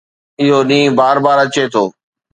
اهو ڏينهن بار بار اچي ٿو